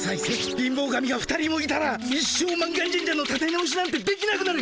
貧乏神が２人もいたら一生満願神社のたて直しなんてできなくなる！